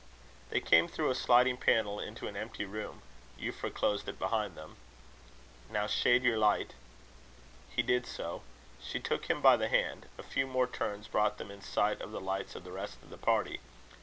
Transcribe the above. They came through a sliding panel into an empty room. Euphra closed it behind them. "Now shade your light." He did so. She took him by the hand. A few more turns brought them in sight of the lights of the rest of the party.